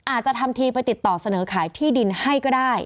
อาจจะทำทีไปติดต่อเสนอขายที่ดินให้ก็ได้